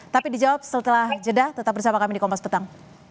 tapi dijawab setelah jeda tetap bersama kami di kompas petang